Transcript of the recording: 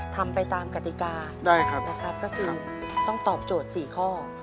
ทำไปตามกสิกาได้ครับนะครับก็คือต้องตอบโจทย์สี่ข้อ